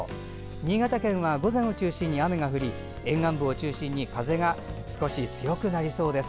新潟県は午前中を中心に雨が降り沿岸部を中心に風が少し強くなりそうです。